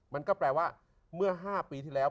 มันก็แปลว่าเมื่อ๕ปีที่แล้ว